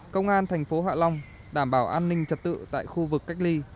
công an thành phố hạ long đảm bảo an ninh trật tự tại khu vực cách ly